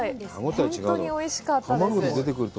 本当においしかったです。